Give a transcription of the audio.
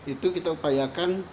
itu kita upayakan